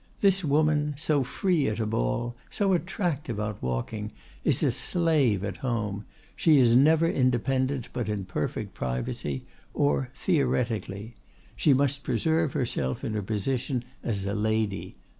This woman—so free at a ball, so attractive out walking—is a slave at home; she is never independent but in perfect privacy, or theoretically. She must preserve herself in her position as a lady.